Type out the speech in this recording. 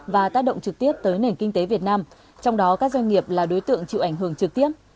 và tác động trực tiếp tới nền kinh tế việt nam trong đó các doanh nghiệp là đối tượng chịu ảnh hưởng trực tiếp